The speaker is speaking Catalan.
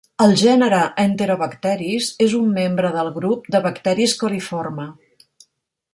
El gènere "enterobacteris" és un membre del grup de bacteris coliforme.